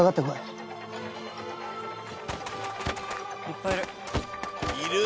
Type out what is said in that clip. いっぱいいる！